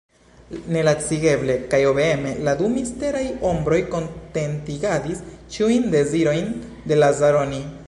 Nelacigeble kaj obeeme la du misteraj ombroj kontentigadis ĉiujn dezirojn de Lazaroni.